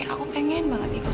aku pengen banget ikut